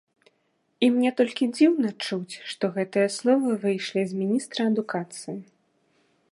І мне толькі дзіўна чуць, што гэтыя словы выйшлі з міністра адукацыі.